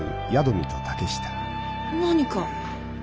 何か？